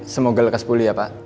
semoga lekas pulih ya pak